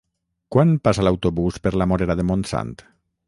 Quan passa l'autobús per la Morera de Montsant?